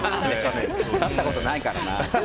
勝ったことないからな。